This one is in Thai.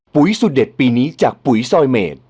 สุดเด็ดปีนี้จากปุ๋ยซอยเมด